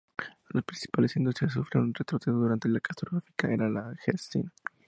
Las principales industrias sufrieron retrocesos durante la catastrófica era de Yeltsin.